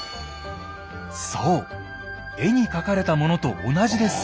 そう絵に描かれたものと同じです！